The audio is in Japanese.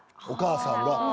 お母さんが。